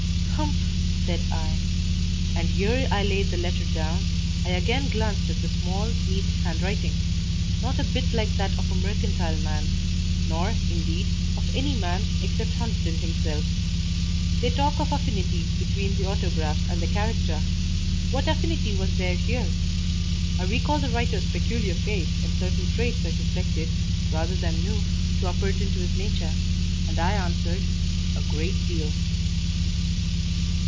"Humph!" said I; and ere I laid the letter down, I again glanced at the small, neat handwriting, not a bit like that of a mercantile man, nor, indeed, of any man except Hunsden himself. They talk of affinities between the autograph and the character: what affinity was there here? I recalled the writer's peculiar face and certain traits I suspected, rather than knew, to appertain to his nature, and I answered, "A great deal."